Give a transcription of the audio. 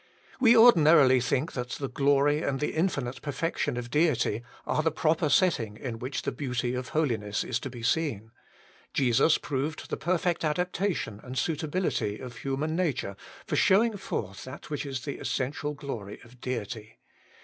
"We ordinarily think that the glory and the infinite Perfection of Deity are the proper setting in which the beauty of holiness is to be seen : Jesus proved the perfect adaptation and suitability of human nature for showing forth that which is the essential glory of Deity.